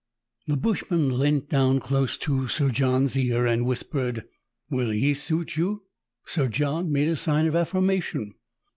The bushman leant down close to Sir John's ear, and whispered, — "Will he suit you?" Sir John made a sign of affirmation.